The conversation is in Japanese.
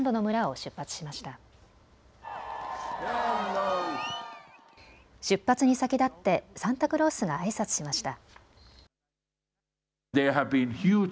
出発に先立ってサンタクロースがあいさつしました。